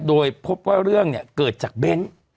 โดยพบว่าเรื่องเนี่ยเกิดจากเบ้น